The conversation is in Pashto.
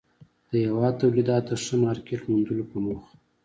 د هېواد توليداتو ته ښه مارکيټ موندلو په موخه